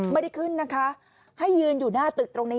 ไม่ได้ขึ้นนะคะให้ยืนอยู่หน้าตึกตรงนี้